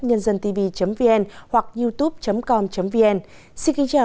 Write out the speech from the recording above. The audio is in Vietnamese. nhân dân tivi vn hoặc youtube com vn xin kính chào và hẹn gặp lại quý vị và các bạn trong những chương trình lần sau